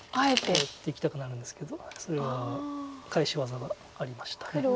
やっていきたくなるんですけどそれは返し技がありました。